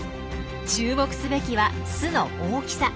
注目すべきは巣の大きさ。